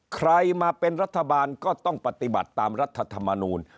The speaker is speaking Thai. ใครมาเป็นรัฐบาลก็ต้องปฏิบัติตามรัฐธรรมนูล